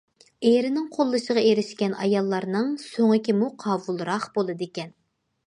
ئېرىنىڭ قوللىشىغا ئېرىشكەن ئاياللارنىڭ سۆڭىكىمۇ قاۋۇلراق بولىدىكەن.